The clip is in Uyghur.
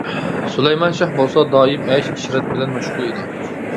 سۇلايمان شاھ بولسا، دائىم ئەيش-ئىشرەت بىلەن مەشغۇل ئىدى.